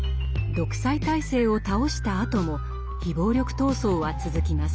独裁体制を倒したあとも非暴力闘争は続きます。